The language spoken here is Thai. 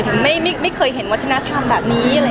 เค้าไม่เห็นวัฒนธรรมแบบนี้